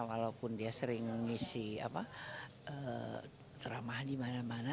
walaupun dia sering mengisi tramah di mana mana